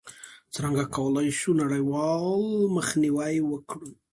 څرنګه کولای شو نړیوال مخنیوی وکړو؟